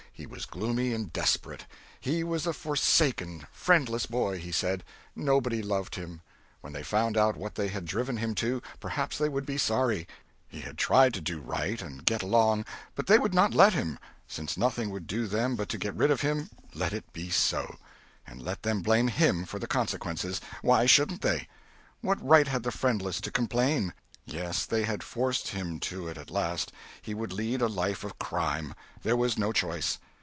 He was gloomy and desperate. He was a forsaken, friendless boy, he said; nobody loved him; when they found out what they had driven him to, perhaps they would be sorry; he had tried to do right and get along, but they would not let him; since nothing would do them but to be rid of him, let it be so; and let them blame him for the consequences—why shouldn't they? What right had the friendless to complain? Yes, they had forced him to it at last: he would lead a life of crime. There was no choice.